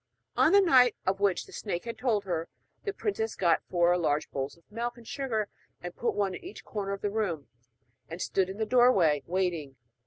On the night of which the snake had told her, the princess got four large bowls of milk and sugar, and put one in each corner of the room, and stood in the doorway waiting.